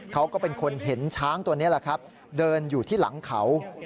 เขาก็เป็นคนเห็นช้างตัวนี้แหละครับเดินอยู่ที่หลังเขา